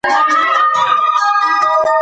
تاسو کولای شئ چې له لرې ځایونو سره اړیکه ونیسئ.